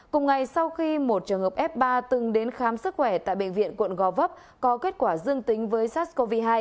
cùng ngày sau khi một trường hợp f ba từng đến khám sức khỏe tại bệnh viện quận gò vấp có kết quả dương tính với sars cov hai